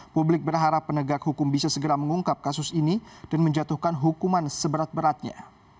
publik berharap penegak hukum bisa segera mengungkap kasus ini dan menjatuhkan hukuman seberat beratnya